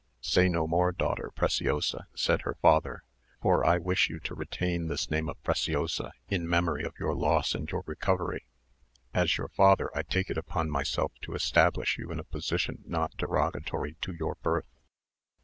"Say no more, daughter Preciosa," said her father; "(for I wish you to retain this name of Preciosa in memory of your loss and your recovery); as your father, I take it upon myself to establish you in a position not derogatory to your birth."